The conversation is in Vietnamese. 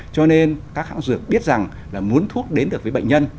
cho nên các hãng dược biết rằng là muốn thuốc đến được với bệnh nhân